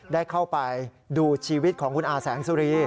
ได้เข้าไปดูชีวิตของคุณอาแสงสุรี